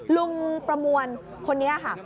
ลุงประมวลคนนี้ค่ะ